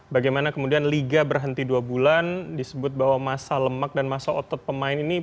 bagaimana kemudian liga berhenti dua bulan disebut bahwa masa lemak dan masa otot pemain ini